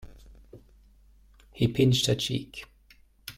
He pinched her cheek.